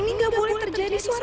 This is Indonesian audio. tidak boleh terjadi semuanya